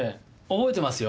覚えてますよ。